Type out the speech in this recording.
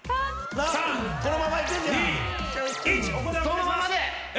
そのままで！